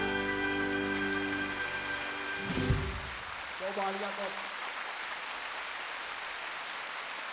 どうもありがとう！